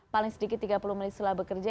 paling sedikit tiga puluh menit setelah bekerja